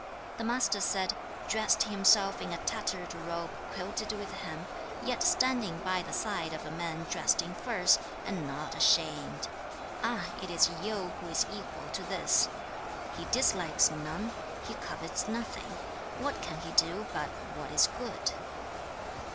The Master said, 'Dressed himself in a tattered robe quilted with hemp, yet standing by the side of men dressed in furs, and not ashamed; ah! it is Yu who is equal to this! 2. '"He dislikes none, he covets nothing; what can he do but what is good!"'